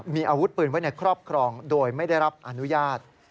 มีอาวุธปืนไว้ในครอบครองโดยไม่ได้รับอนุญาต